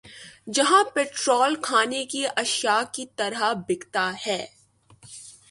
جہاں پیٹرول کھانے کی اشیا کی طرح بِکتا ہے